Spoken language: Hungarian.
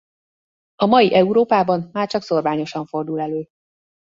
A mai Európában már csak szórványosan fordul elő.